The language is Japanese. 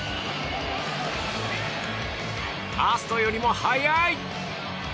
ファーストよりも速い！